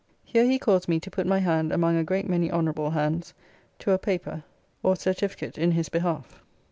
Here he caused me to put my hand among a great many honorable hands to a paper or certificate in his behalf.